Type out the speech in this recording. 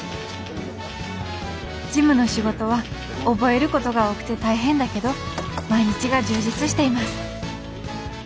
事務の仕事は覚えることが多くて大変だけど毎日が充実しています。